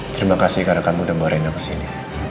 terima kasih karena kamu udah bawa reina kesini